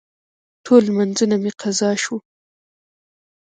ټول لمونځونه مې قضا شوه.